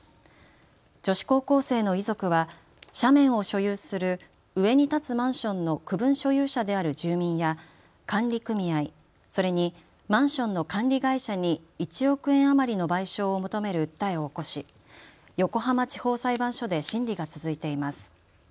女子高校生の遺族は斜面を所有する上に建つマンションの区分所有者である住民や管理組合、それにマンションの管理会社に１億円余りの賠償を求める訴えを起こし横浜地方裁判所で審理が続いています。